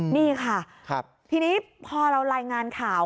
นี่ค่ะทีนี้พอเรารายงานข่าว